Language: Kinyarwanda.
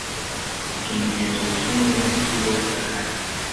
Utumenyetso two mu ncuro ya kane